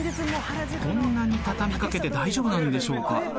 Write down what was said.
こんなに畳み掛けて大丈夫なんでしょうか？